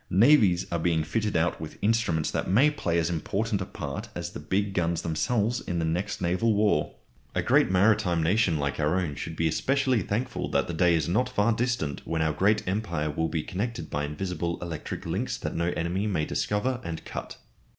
Navies are being fitted out with instruments that may play as important a part as the big guns themselves in the next naval war. A great maritime nation like our own should be especially thankful that the day is not far distant when our great empire will be connected by invisible electric links that no enemy may discover and cut.